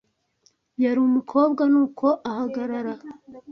Yari umukobwa; nuko ahagarara